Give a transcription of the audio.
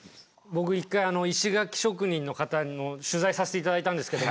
僕１回石垣職人の方の取材させて頂いたんですけども。